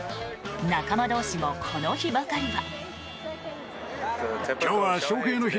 仲間同士もこの日ばかりは。